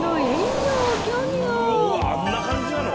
うわあんな感じなの？